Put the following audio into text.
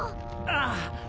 ああ。